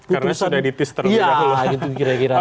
karena sudah ditis terlebih dahulu